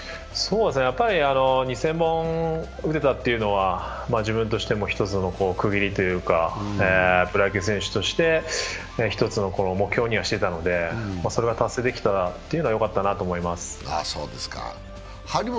２０００本打てたというのは自分としても１つの区切りというかプロ野球選手として一つの目標にはしていたので、それが達成できたというのはよかったなと思います。